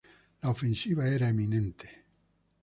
La ofensiva era eminente.